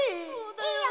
いいよ！